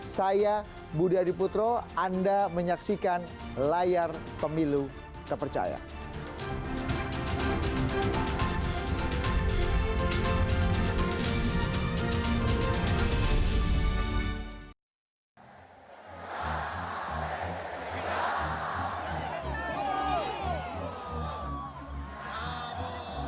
saya budi adiputro anda menyaksikan layar pemilu kepercayaan